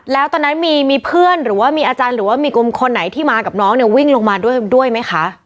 แล้วตอนนั้นมีเพื่อนหรือว่ามีอาจารย์หรือว่ามีกลุ่มคนไหนที่มากับน้องเนี่ยวิ่งลงมาด้วยไหมคะ